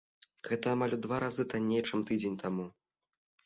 Гэта амаль у два разы танней, чым тыдзень таму.